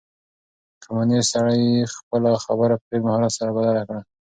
کمونيسټ سړي خپله خبره په ډېر مهارت سره بدله کړه.